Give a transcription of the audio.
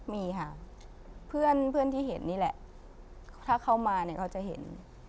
มีค่ะเพื่อนที่เห็นนี่แหละถ้าเขามาเขาจะเห็น